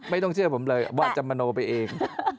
ไม่ต้องเชื่อผมเลยว่าอาจารย์มานงไปเอง